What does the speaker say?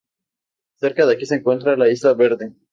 Cerca de aquí se encuentra la Isla Verde.